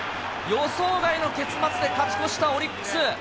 予想外の結末で勝ち越したオリックス。